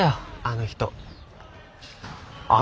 あの人？